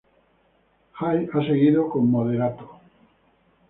Jay ha seguido con Moderatto.